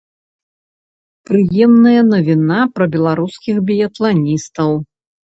Прыемная навіна пра беларускіх біятланістаў.